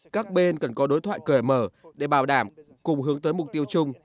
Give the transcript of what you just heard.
các bên cần có đối thoại cởi mở để bảo đảm cùng hướng tới mục tiêu chung